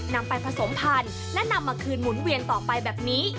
นำไปผสมพันธุ์และนำมาคืนหมุนเวียนต่อไปแบบนี้